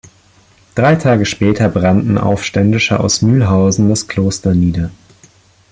Drei Tage später brannten Aufständische aus Mühlhausen das Kloster nieder.